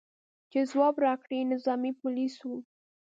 چې ځواب راکړي، نظامي پولیس و.